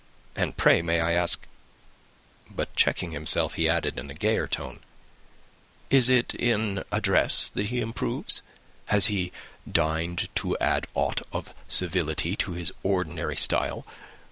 "And pray may I ask " but checking himself, he added, in a gayer tone, "Is it in address that he improves? Has he deigned to add aught of civility to his ordinary style?